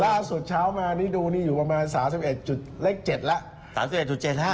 ล่าสุดเช้ามานี่ดูนี่อยู่ประมาณ๓๑๗ละ